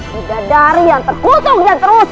sudah dari yang terkutuk dan terus